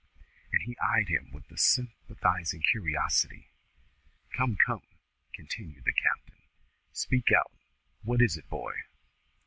And he eyed him with a sympathising curiosity. "Come, come!" continued the captain, "Speak out. What is it, boy!"